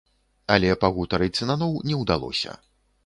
Але пагутарыць наноў не ўдалося.